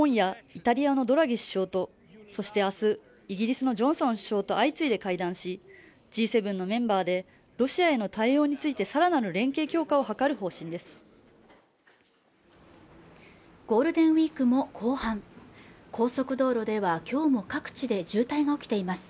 イギリスのジョンソン首相と相次いで会談しＧ７のメンバーでロシアへの対応についてさらなる連携強化を図る方針です